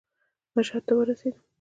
مشهد ته ورسېدم.